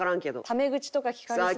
タメ口とかきかれそう。